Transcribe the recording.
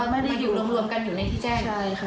ไม่ได้อยู่รวมกันอยู่ในที่แจ้งเลยค่ะ